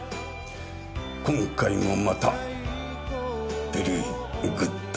今回もまたベリーグッドです。